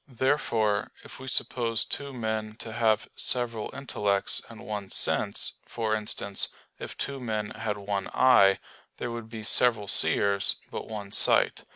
Therefore, if we suppose two men to have several intellects and one sense for instance, if two men had one eye there would be several seers, but one sight.